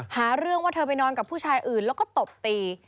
หาเรื่องว่าเธอไปนอนกับผู้ชายอื่นแล้วก็ตบตี